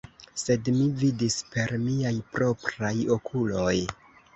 Sed mi vidis per miaj propraj okuloj!